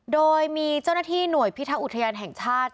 โดยมีเจ้าหน้าที่หน่วยพิทักษ์อุทยานแห่งชาติ